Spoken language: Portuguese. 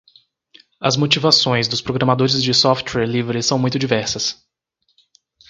As motivações dos programadores de software livre são muito diversas.